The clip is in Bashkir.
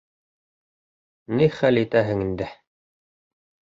Ни хәл итәһең инде!